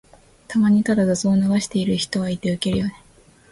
たまにただ雑音を流してる人がいてウケるよね。